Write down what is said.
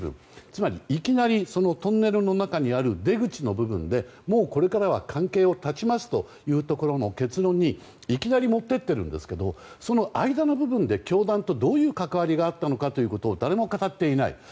つまり、いきなりそのトンネルの中にある出口の部分でもうこれからは関係を断ちますというところの結論にいきなり持って行っているんですがその間の部分で教団とどういう関わりがあったのかを誰も語っていない。